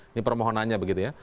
ini permohonannya begitu ya